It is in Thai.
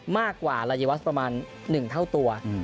มากกว่าลายวัสประมาณ๑เท่าตัว